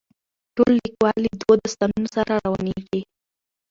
ټول ټولګیوال له دوو استادانو سره روانیږي.